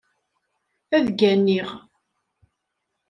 Ad gganiɣ.